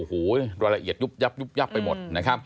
โอ้โหรายละเอียดยุบยับไปหมด